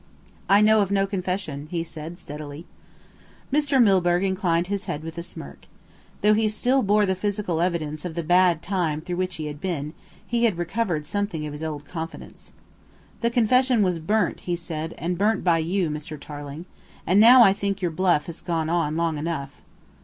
"I know of no confession," he said steadily. Mr. Milburgh inclined his head with a smirk. Though he still bore the physical evidence of the bad time through which he had been, he had recovered something of his old confidence. "The confession was burnt," he said, "and burnt by you, Mr. Tarling. And now I think your bluff has gone on long enough."